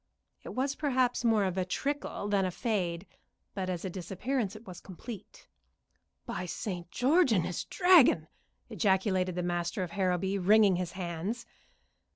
It was perhaps more of a trickle than a fade, but as a disappearance it was complete. "By St. George and his Dragon!" ejaculated the master of Harrowby, wringing his hands.